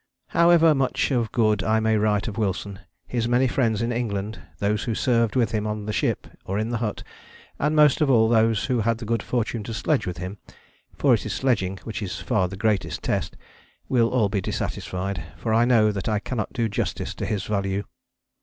However much of good I may write of Wilson, his many friends in England, those who served with him on the ship or in the hut, and most of all those who had the good fortune to sledge with him (for it is sledging which is far the greatest test) will all be dissatisfied, for I know that I cannot do justice to his value.